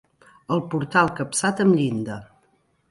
El portal capçat amb llinda.